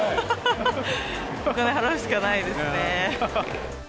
お金払うしかないですね。